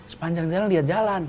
sepanjang jalan lihat jalan